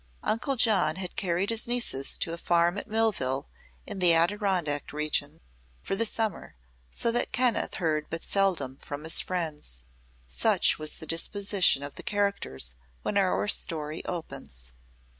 Uncle John had carried his nieces to a farm at Millville, in the Adirondack region, for the summer, so that Kenneth heard but seldom from his friends. Such was the disposition of the characters when our story opens.